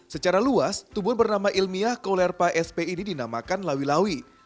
secara luas tubuh bernama ilmiah kolearpa sp ini dinamakan lawi lawi